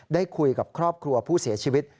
ได้คุยกับครอบครัวผู้เสียชีวิต